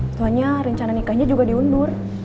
soalnya rencana nikahnya juga diundur